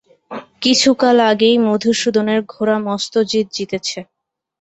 কিছুকাল আগেই মধুসূদনের ঘোড়া মস্ত জিত জিতেছে।